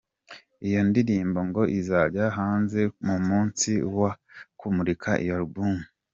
Iyo ndirimbo ngo izajya hanze ku munsi wo kumurika iyo Album.